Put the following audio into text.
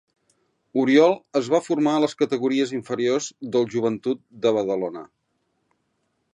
Oriol es va formar a les categories inferiors del Joventut de Badalona.